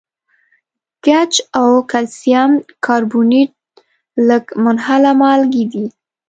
ګچ او کلسیم کاربونیټ لږ منحله مالګې دي.